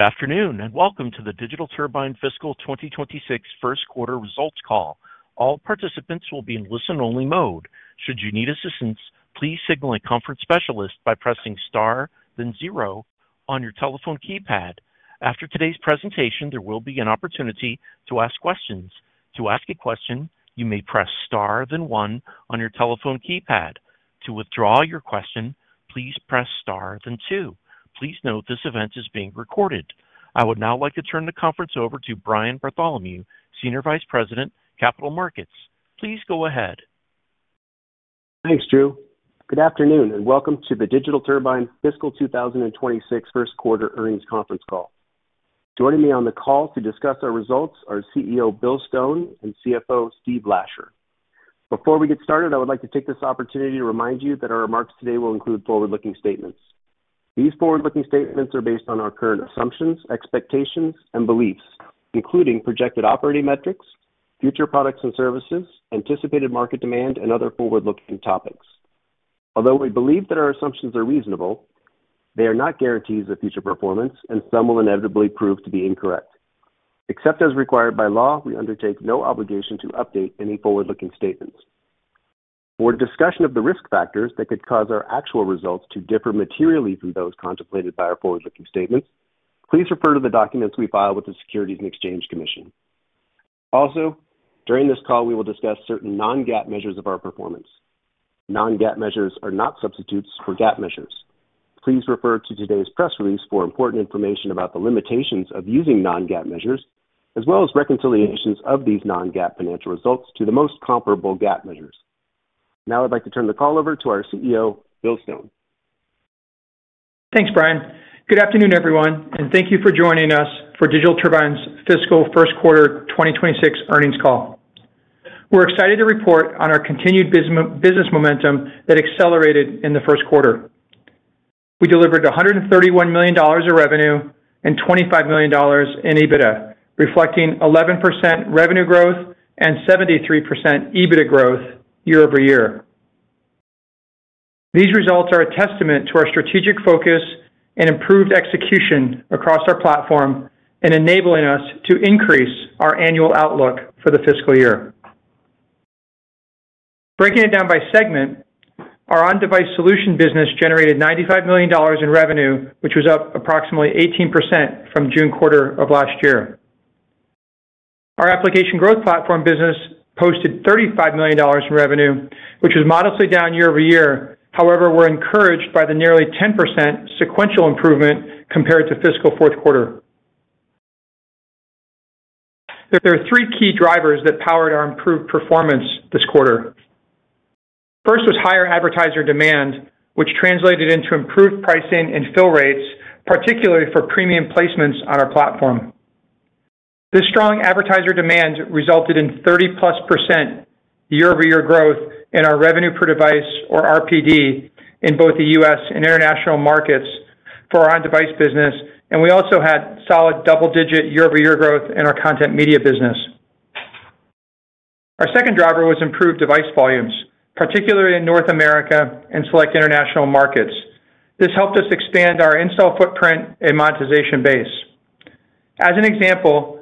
Afternoon and welcome to the Digital Turbine Fiscal 2026 First Quarter Results Call. All participants will be in listen-only mode. Should you need assistance, please signal a conference specialist by pressing Star, then zero, on your telephone keypad. After today's presentation, there will be an opportunity to ask questions. To ask a question, you may press Star, then one on your telephone keypad. To withdraw your question, please press star, then two. Please note this event is being recorded. I would now like to turn the conference over to Brian Bartholomew, Senior Vice President, Capital Markets. Please go ahead. Thanks, Drew. Good afternoon and welcome to the Digital Turbine Fiscal 2026 First Quarter Earnings Conference call. Joining me on the call to discuss our results are CEO Bill Stone and CFO Stephen Lasher. Before we get started, I would like to take this opportunity to remind you that our remarks today will include forward-looking statements. These forward-looking statements are based on our current assumptions, expectations, and beliefs, including projected operating metrics, future products and services, anticipated market demand, and other forward-looking topics. Although we believe that our assumptions are reasonable, they are not guarantees of future performance, and some will inevitably prove to be incorrect. Except as required by law, we undertake no obligation to update any forward-looking statements. For a discussion of the risk factors that could cause our actual results to differ materially from those contemplated by our forward-looking statements, please refer to the documents we file with the Securities and Exchange Commission. Also, during this call, we will discuss certain non-GAAP measures of our performance. Non-GAAP measures are not substitutes for GAAP measures. Please refer to today's press release for important information about the limitations of using non-GAAP measures, as well as reconciliations of these non-GAAP financial results to the most comparable GAAP measures. Now I'd like to turn the call over to our CEO, Bill Stone. Thanks, Brian. Good afternoon, everyone, and thank you for joining us for Digital Turbine's Fiscal First Quarter 2026 Earnings Call. We're excited to report on our continued business momentum that accelerated in the first quarter. We delivered $131 million in revenue and $25 million in EBITDA, reflecting 11% revenue growth and 73% EBITDA growth year-over-year. These results are a testament to our strategic focus and improved execution across our platform, enabling us to increase our annual outlook for the fiscal year. Breaking it down by segment, our On Device Solutions business generated $95 million in revenue, which was up approximately 18% from the June quarter of last year. Our Application Growth Platform business posted $35 million in revenue, which was modestly down year-over-year. However, we're encouraged by the nearly 10% sequential improvement compared to the fiscal fourth quarter. There are three key drivers that powered our improved performance this quarter. First was higher advertiser demand, which translated into improved pricing and fill rates, particularly for premium placements on our platform. This strong advertiser demand resulted in 30%+ year-over-year growth in our revenue per device, or RPD, in both the U.S. and international markets for our On Device Solutions business. We also had solid double-digit year-over-year growth in our content media business. Our second driver was improved device volumes, particularly in North America and select international markets. This helped us expand our install footprint and monetization base. As an example,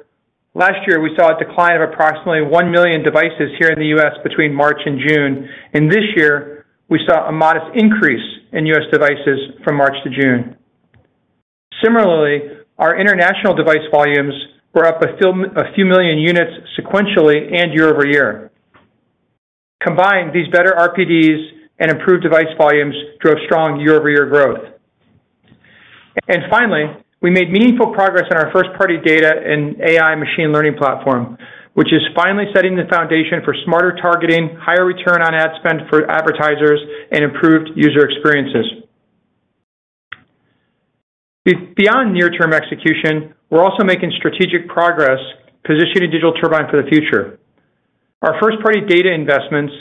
last year we saw a decline of approximately 1 million devices here in the U.S. between March and June, and this year we saw a modest increase in U.S. devices from March to June. Similarly, our international device volumes were up a few million units sequentially and year-over-year. Combined, these better RPDs and improved device volumes drove strong year-over-year growth. Finally, we made meaningful progress in our first-party data and AI machine learning platform, which is finally setting the foundation for smarter targeting, higher return on ad spend for advertisers, and improved user experiences. Beyond near-term execution, we're also making strategic progress positioning Digital Turbine for the future. Our first-party data investments,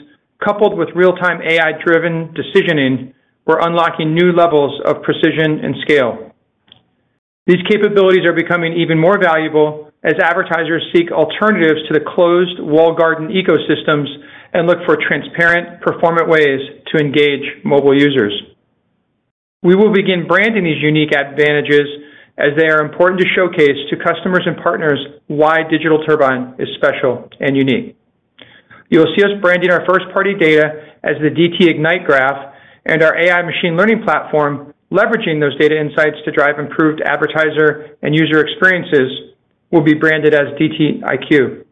coupled with real-time AI-driven decisioning, were unlocking new levels of precision and scale. These capabilities are becoming even more valuable as advertisers seek alternatives to the closed walled garden ecosystems and look for transparent, performant ways to engage mobile users. We will begin branding these unique advantages as they are important to showcase to customers and partners why Digital Turbine is special and unique. You'll see us branding our first-party data as the DT Ignite Graph, and our AI machine learning platform, leveraging those data insights to drive improved advertiser and user experiences, will be branded as DT IQ.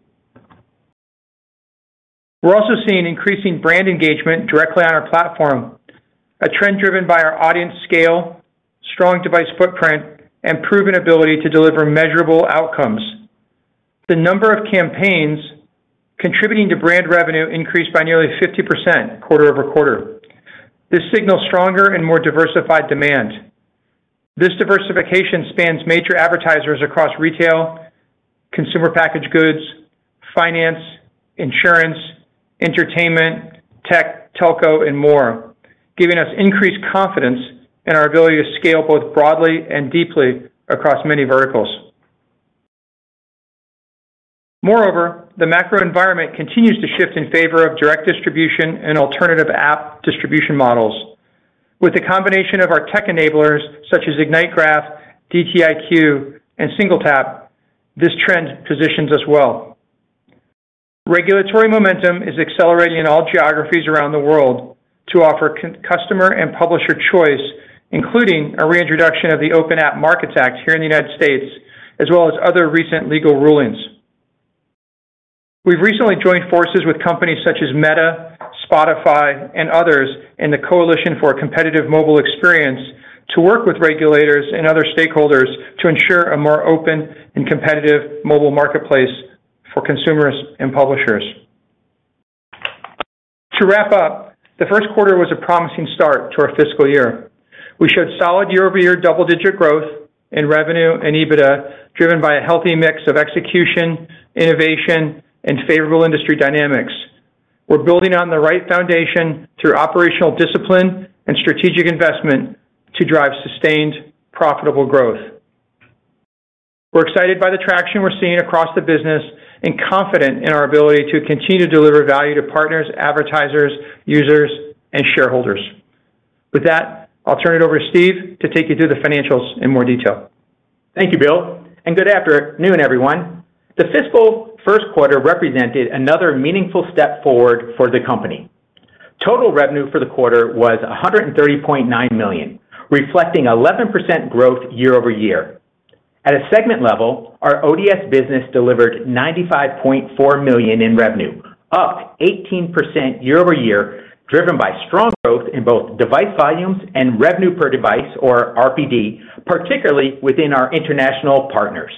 We're also seeing increasing brand engagement directly on our platform, a trend driven by our audience scale, strong device footprint, and proven ability to deliver measurable outcomes. The number of campaigns contributing to brand revenue increased by nearly 50% quarter-over-quarter. This signals stronger and more diversified demand. This diversification spans major advertisers across retail, consumer packaged goods, finance, insurance, entertainment, tech, telco, and more, giving us increased confidence in our ability to scale both broadly and deeply across many verticals. Moreover, the macro environment continues to shift in favor of direct distribution and alternative app distribution models. With the combination of our tech enablers such as DT Ignite Graph, DT IQ, and SingleTap, this trend positions us well. Regulatory momentum is accelerating in all geographies around the world to offer customer and publisher choice, including a reintroduction of the Open App Markets Act here in the U.S., as well as other recent legal rulings. We've recently joined forces with companies such as Meta, Spotify, and others in the Coalition for a Competitive Mobile Experience to work with regulators and other stakeholders to ensure a more open and competitive mobile marketplace for consumers and publishers. To wrap up, the first quarter was a promising start to our fiscal year. We showed solid year-over-year double-digit growth in revenue and EBITDA, driven by a healthy mix of execution, innovation, and favorable industry dynamics. We're building on the right foundation through operational discipline and strategic investment to drive sustained, profitable growth. We're excited by the traction we're seeing across the business and confident in our ability to continue to deliver value to partners, advertisers, users, and shareholders. With that, I'll turn it over to Steve to take you through the financials in more detail. Thank you, Bill, and good afternoon, everyone. The fiscal first quarter represented another meaningful step forward for the company. Total revenue for the quarter was $130.9 million, reflecting 11% growth year-over-year. At a segment level, our On Device Solutions business delivered $95.4 million in revenue, up 18% year-over-year, driven by strong growth in both device volumes and revenue per device, or RPD, particularly within our international partners.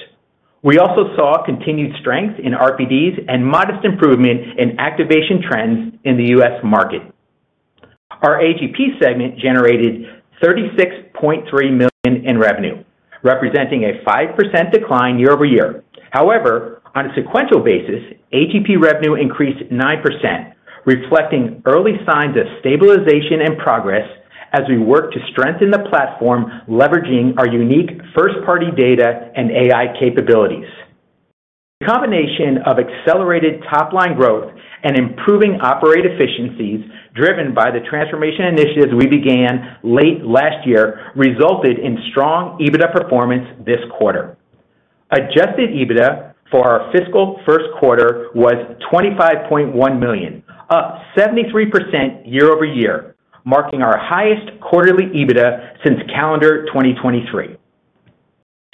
We also saw continued strength in RPDs and modest improvement in activation trends in the U.S. market. Our App Growth Platform segment generated $36.3 million in revenue, representing a 5% decline year-over-year. However, on a sequential basis, App Growth Platform revenue increased 9%, reflecting early signs of stabilization and progress as we work to strengthen the platform, leveraging our unique first-party data and AI capabilities. The combination of accelerated top-line growth and improving operating efficiencies, driven by the transformation initiatives we began late last year, resulted in strong EBITDA performance this quarter. Adjusted EBITDA for our fiscal first quarter was $25.1 million, up 73% year-over-year, marking our highest quarterly EBITDA since calendar 2023.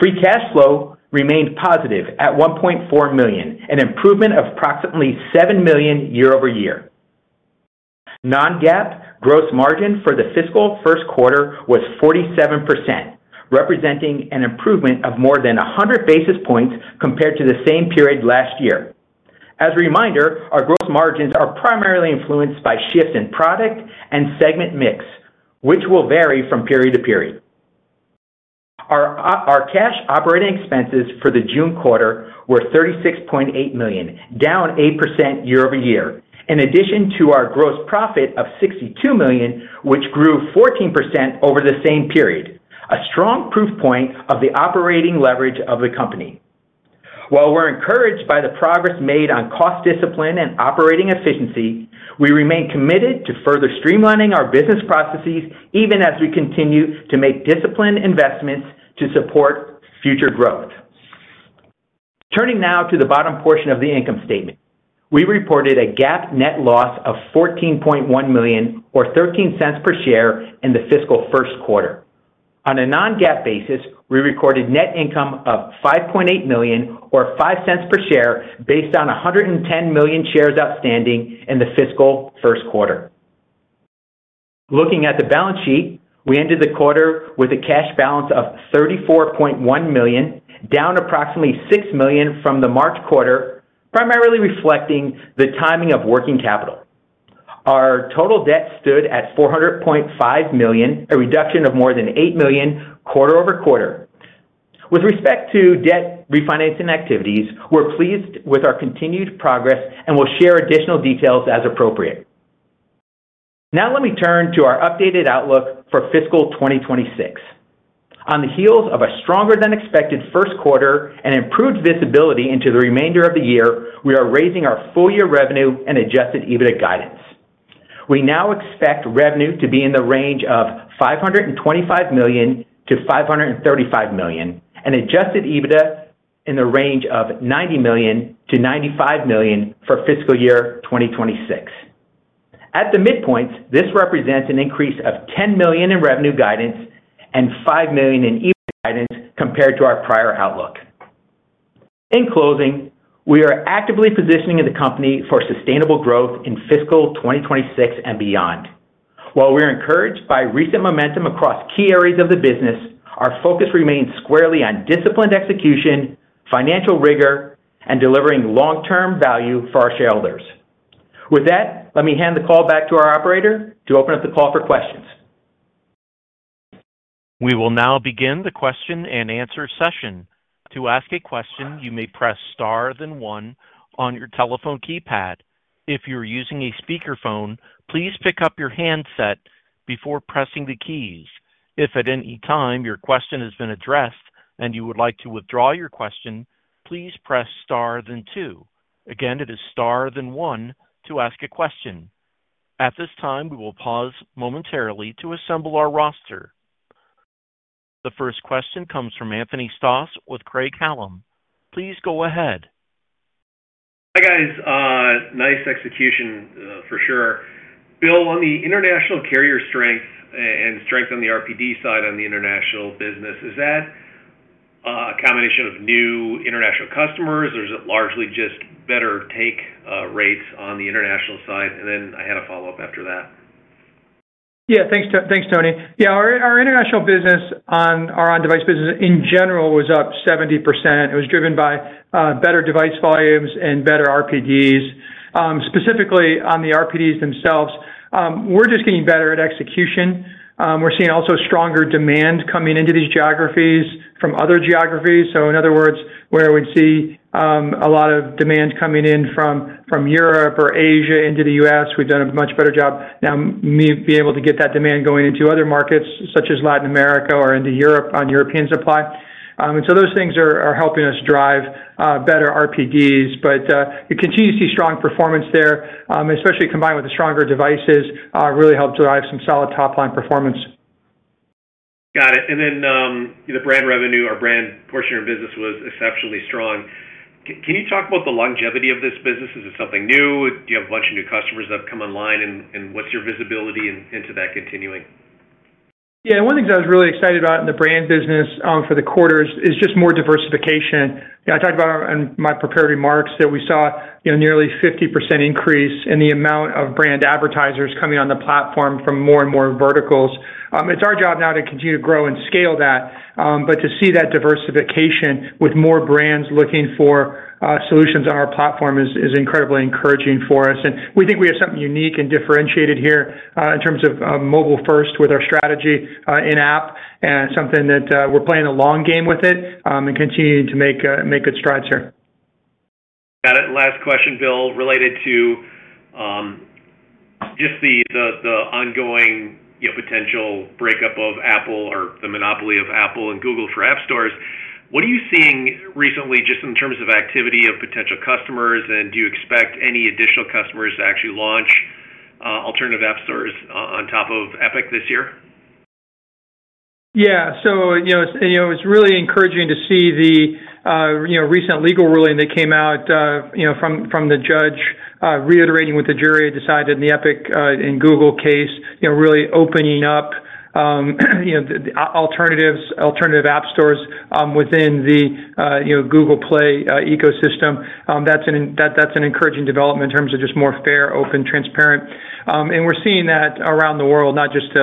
Free cash flow remained positive at $1.4 million, an improvement of approximately $7 million year-over year. Non-GAAP gross margin for the fiscal first quarter was 47%, representing an improvement of more than 100 basis points compared to the same period last year. As a reminder, our gross margins are primarily influenced by shifts in product and segment mix, which will vary from period to period. Our cash operating expenses for the June quarter were $36.8 million, down 8% year-over year, in addition to our gross profit of $62 million, which grew 14% over the same period, a strong proof point of the operating leverage of the company. While we're encouraged by the progress made on cost discipline and operating efficiency, we remain committed to further streamlining our business processes, even as we continue to make disciplined investments to support future growth. Turning now to the bottom portion of the income statement, we reported a GAAP net loss of $14.1 million, or $0.13 per share in the fiscal first quarter. On a non-GAAP basis, we recorded net income of $5.8 million, or $0.05 per share, based on 110 million shares outstanding in the fiscal first quarter. Looking at the balance sheet, we ended the quarter with a cash balance of $34.1 million, down approximately $6 million from the March quarter, primarily reflecting the timing of working capital. Our total debt stood at $400.5 million, a reduction of more than $8 million quarter-over-quarter. With respect to debt refinancing activities, we're pleased with our continued progress and will share additional details as appropriate. Now let me turn to our updated outlook for fiscal 2026. On the heels of a stronger than expected first quarter and improved visibility into the remainder of the year, we are raising our full-year revenue and adjusted EBITDA guidance. We now expect revenue to be in the range of $525 million-$535 million, and adjusted EBITDA in the range of $90 million-$95 million for fiscal year 2026. At the midpoints, this represents an increase of $10 million in revenue guidance and $5 million in EBITDA guidance compared to our prior outlook. In closing, we are actively positioning the company for sustainable growth in fiscal 2026 and beyond. While we are encouraged by recent momentum across key areas of the business, our focus remains squarely on disciplined execution, financial rigor, and delivering long-term value for our shareholders. With that, let me hand the call back to our operator to open up the call for questions. We will now begin the question-and-answer session. To ask a question, you may press Star, then one on your telephone keypad. If you're using a speakerphone, please pick up your handset before pressing the keys. If at any time your question has been addressed and you would like to withdraw your question, please press Star, then two. Again, it is Star, then one to ask a question. At this time, we will pause momentarily to assemble our roster. The first question comes from Anthony Stoss with Craig-Hallum. Please go ahead. Hi guys. Nice execution for sure. Bill, on the international carrier strength and strength on the RPD side on the international business, is that a combination of new international customers or is it largely just better take rates on the international side? I had a follow-up after that. Yeah, thanks, Tony. Yeah, our international business on our On Device Solutions business in general was up 70%. It was driven by better device volumes and better RPDs. Specifically on the RPDs themselves, we're just getting better at execution. We're seeing also stronger demand coming into these geographies from other geographies. In other words, where we'd see a lot of demand coming in from Europe or Asia into the U.S., we've done a much better job now being able to get that demand going into other markets such as Latin America or into Europe on European supply. Those things are helping us drive better RPDs, but we continue to see strong performance there, especially combined with the stronger devices, which really helped drive some solid top-line performance. Got it. The brand revenue, our brand portion of your business was exceptionally strong. Can you talk about the longevity of this business? Is it something new? Do you have a bunch of new customers that have come online, and what's your visibility into that continuing? Yeah, one of the things I was really excited about in the brand business for the quarters is just more diversification. I talked about in my prepared remarks that we saw a nearly 50% increase in the amount of brand advertisers coming on the platform from more and more verticals. It's our job now to continue to grow and scale that, to see that diversification with more brands looking for solutions on our platform is incredibly encouraging for us. We think we have something unique and differentiated here in terms of mobile-first with our strategy in-app and something that we're playing a long game with and continuing to make good strides here. Got it. Last question, Bill, related to just the ongoing potential breakup of Apple or the monopoly of Apple and Google for app stores. What are you seeing recently just in terms of activity of potential customers, and do you expect any additional customers to actually launch alternative app stores on top of Epic this year? Yeah, it's really encouraging to see the recent legal ruling that came out from the judge reiterating what the jury had decided in the Epic Games and Google case, really opening up alternative app stores within the Google Play ecosystem. That's an encouraging development in terms of just more fair, open, transparent. We're seeing that around the world, not just in the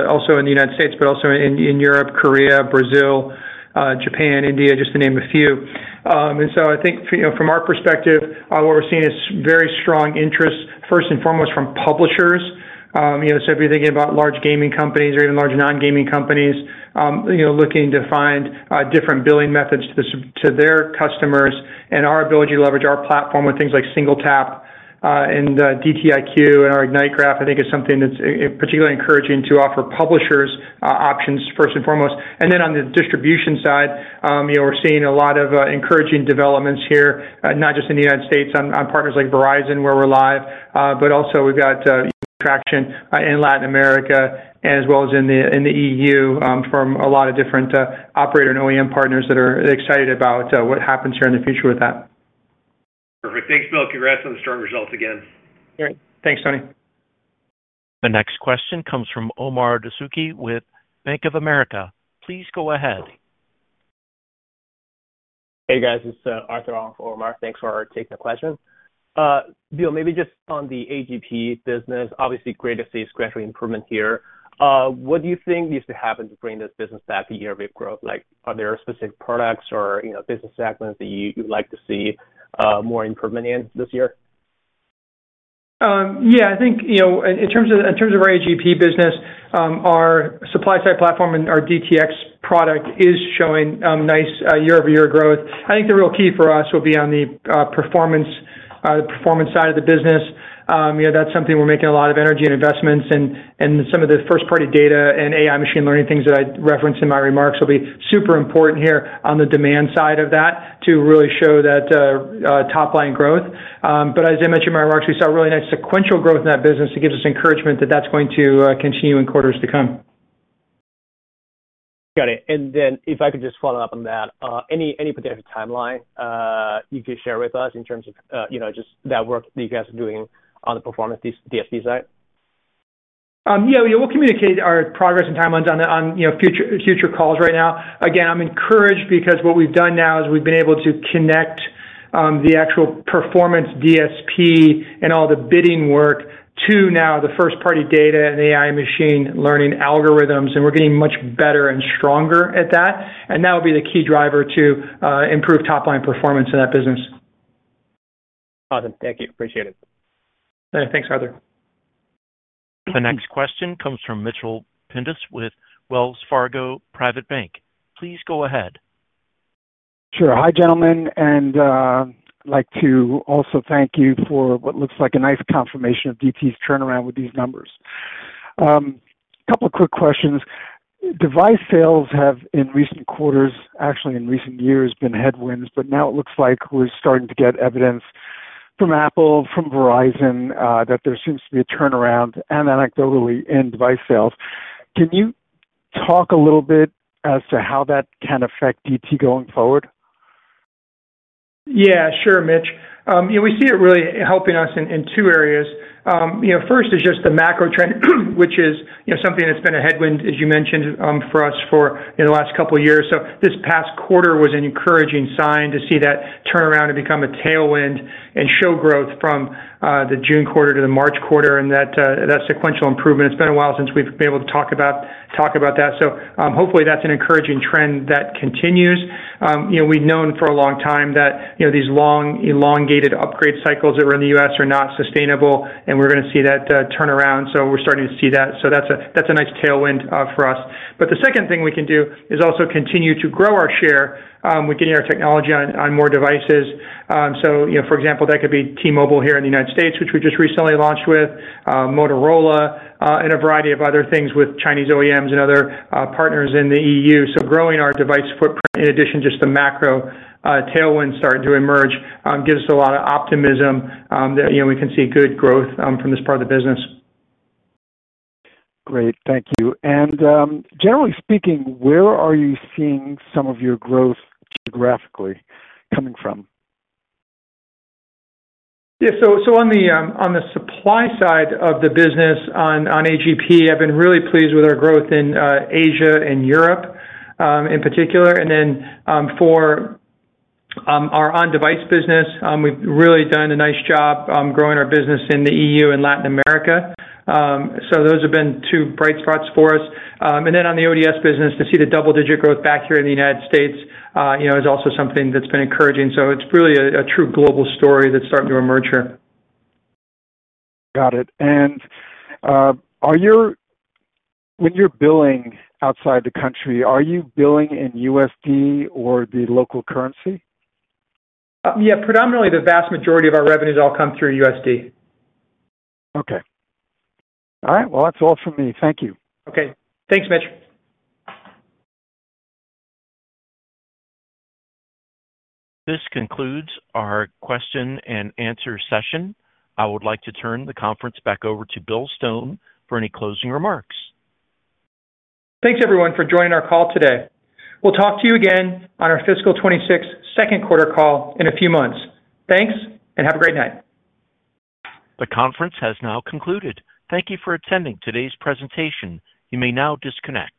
U.S., but also in Europe, Korea, Brazil, Japan, India, just to name a few. I think from our perspective, what we're seeing is very strong interests, first and foremost from publishers. If you're thinking about large gaming companies or even large non-gaming companies looking to find different billing methods to their customers and our ability to leverage our platform with things like SingleTap and DT IQ and our DT Ignite Graph, I think it's something that's particularly encouraging to offer publishers options, first and foremost. On the distribution side, we're seeing a lot of encouraging developments here, not just in the U.S. on partners like Verizon, where we're live, but also we've got traction in Latin America as well as in the E.U from a lot of different operator and OEM partners that are excited about what happens here in the future with that. Perfect. Thanks, Bill. Congrats on the strong results again. All right. Thanks, Tony. The next question comes from Omar Dusuki with Bank of America. Please go ahead. Hey guys, it's Arthur Omar. Thanks for taking the question. Bill, maybe just on the AGP business, obviously great to see a gradual improvement here. What do you think needs to happen to bring this business back to year-over-year growth? Like, are there specific products or business segments that you'd like to see more improvement in this year? Yeah, I think in terms of our App Growth Platform business, our supply-side platform and our DTX Exchange product is showing nice year-over-year growth. I think the real key for us will be on the performance side of the business. That's something we're making a lot of energy and investments in, and some of the first-party data and AI machine learning things that I referenced in my remarks will be super important here on the demand side of that to really show that top-line growth. As I mentioned in my remarks, we saw really nice sequential growth in that business. It gives us encouragement that that's going to continue in quarters to come. Got it. If I could just follow up on that, any potential timeline you could share with us in terms of just that work that you guys are doing on the performance DSP side? We'll communicate our progress and timelines on future calls. Right now, I'm encouraged because what we've done now is we've been able to connect the actual performance DSP and all the bidding work to now the first-party data and AI machine learning algorithms, and we're getting much better and stronger at that. That will be the key driver to improve top-line performance in that business. Awesome. Thank you. Appreciate it. All right. Thanks, Arthur. The next question comes from Mitchell Pindus with Wells Fargo Private Bank. Please go ahead. Sure. Hi, gentlemen, and I'd like to also thank you for what looks like a nice confirmation of Digital Turbine's turnaround with these numbers. A couple of quick questions. Device sales have in recent quarters, actually in recent years, been headwinds, but now it looks like we're starting to get evidence from Apple, from Verizon that there seems to be a turnaround and anecdotally in device sales. Can you talk a little bit as to how that can affect Digital going forward? Yeah, sure, Mitch. We see it really helping us in two areas. First is just the macro trend, which is something that's been a headwind, as you mentioned, for us for the last couple of years. This past quarter was an encouraging sign to see that turnaround to become a tailwind and show growth from the June quarter to the March quarter and that sequential improvement. It's been a while since we've been able to talk about that. Hopefully that's an encouraging trend that continues. We've known for a long time that these long elongated upgrade cycles that were in the U.S. are not sustainable, and we're going to see that turnaround. We're starting to see that. That's a nice tailwind for us. The second thing we can do is also continue to grow our share with getting our technology on more devices. For example, that could be T-Mobile here in the U.S., which we just recently launched with Motorola and a variety of other things with Chinese OEMs and other partners in the E.U.. Growing our device footprint in addition to just the macro tailwind starting to emerge gives us a lot of optimism that we can see good growth from this part of the business. Great. Thank you. Generally speaking, where are you seeing some of your growth graphically coming from? Yeah, so on the supply side of the business on AGP, I've been really pleased with our growth in Asia and Europe in particular. For our On Device business, we've really done a nice job growing our business in the E.U. and Latin America. Those have been two bright spots for us. On the ODS business, to see the double-digit growth back here in the U.S. is also something that's been encouraging. It's really a true global story that's starting to emerge here. Got it. When you're billing outside the country, are you billing in USD or the local currency? Yeah, predominantly the vast majority of our revenues all come through USD. All right. That's all from me. Thank you. Okay, thanks, Mitch. This concludes our question-and-answer session. I would like to turn the conference back over to Bill Stone for any closing remarks. Thanks everyone for joining our call today. We'll talk to you again on our Fiscal 2026 second quarter call in a few months. Thanks and have a great night. The conference has now concluded. Thank you for attending today's presentation. You may now disconnect.